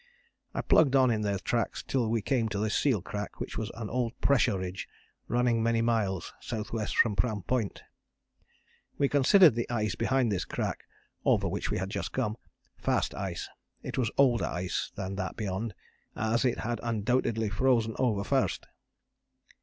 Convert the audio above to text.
"I plugged on in their tracks, till we came to the seal crack which was an old pressure ridge running many miles S.W. from Pram Point. We considered the ice behind this crack over which we had just come fast ice; it was older ice than that beyond, as it had undoubtedly frozen over first.